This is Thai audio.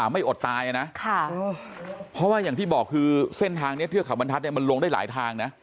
ไม่อดตายนะเพราะว่าอย่างที่บอกคือเส้นทางนี้เทือกเขาบรรทัศน์มันลงได้หลายทางนะ